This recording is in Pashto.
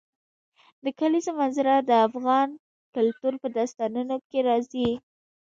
د کلیزو منظره د افغان کلتور په داستانونو کې راځي.